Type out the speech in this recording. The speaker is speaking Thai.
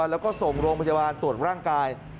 แล้วก็ส่งโรงพยาบาลตรวจร่างกาย